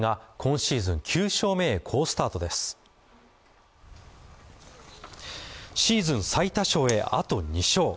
シーズン最多勝へ、あと２勝。